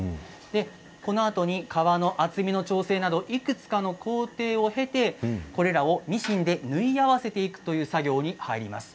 このあとに革の厚みの調整などいくつかの工程を経てこれらをミシンで縫い合わせていくという作業に入ります。